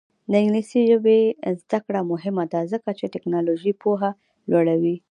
د انګلیسي ژبې زده کړه مهمه ده ځکه چې تکنالوژي پوهه لوړوي.